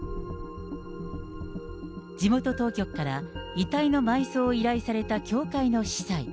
地元当局から遺体の埋葬を依頼された教会の司祭。